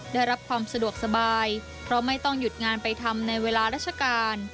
ได้รับความสะดวกสบายเพราะไม่ต้องหยุดงานไปทำในเวลาราชการ